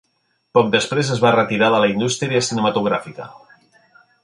Poc després es va retirar de la indústria cinematogràfica.